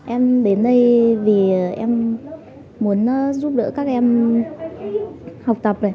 em đến đây vì em muốn giúp đỡ các em học tập này